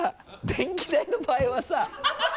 電気代の場合はさ